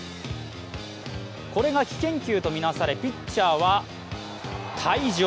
これが危険球とみなされピッチャーは退場。